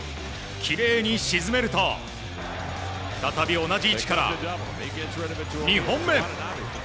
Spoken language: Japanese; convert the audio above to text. きれいに沈めると再び同じ位置から２本目！